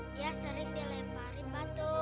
dia sering dilempari batu